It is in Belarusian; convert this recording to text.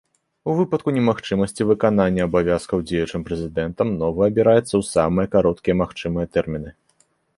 У выпадку немагчымасці выканання абавязкаў дзеючым прэзідэнтам новы абіраецца ў самыя кароткія магчымыя тэрміны.